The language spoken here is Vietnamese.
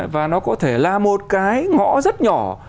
và nó có thể là một cái ngõ rất nhỏ